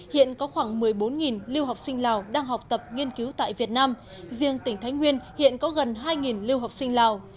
hiện có khoảng một mươi bốn lưu học sinh lào đang học tập nghiên cứu tại việt nam riêng tỉnh thái nguyên hiện có gần hai lưu học sinh lào